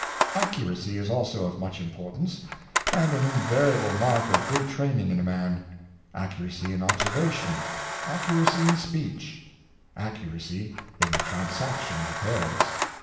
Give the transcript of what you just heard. Accuracy is also of much importance^ and an invariable mark of good training in a man — accuracy in observation, accuracy in speech, accurac}^ in the transaction of affairs.